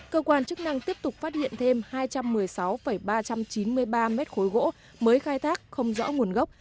cơ quan chức năng tiếp tục phát hiện thêm hai trăm một mươi sáu ba trăm chín mươi ba mét khối gỗ mới khai thác không rõ nguồn gốc